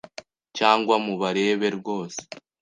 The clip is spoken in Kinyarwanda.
Cyangwa mubarebe rwose